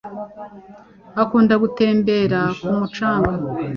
Ukunda gutembera ku mucanga